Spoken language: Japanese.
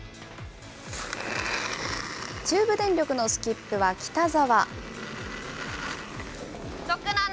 中部電力のスキップは北澤。